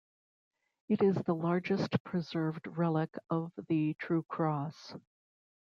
It is the largest preserved relic of the True Cross.